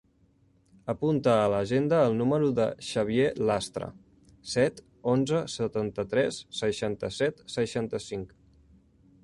Apunta a l'agenda el número del Xavier Lastra: set, onze, setanta-tres, seixanta-set, seixanta-cinc.